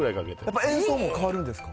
やっぱ演奏も変わるんですか？